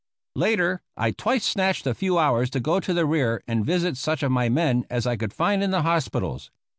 Later, I twice snatched a few hours to go to the rear and visit such of my men as I could find in the hospitals.